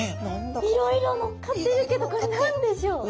いろいろのっかってるけどこれ何でしょう？